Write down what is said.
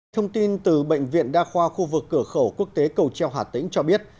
thông tin từ bệnh viện đa khoa khu vực cửa khẩu quốc tế cầu treo hà tĩnh cho biết